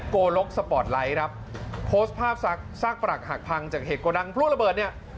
โกลกสปอร์ตไลท์ครับโพสต์ภาพซากปรักหักพังจากเหตุโกดังพลุระเบิดเนี่ย